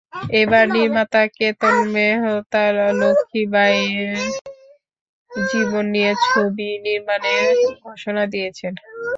এবার নির্মাতা কেতন মেহতা লক্ষ্মী বাইয়ের জীবন নিয়ে ছবি নির্মাণের ঘোষণা দিয়েছেন।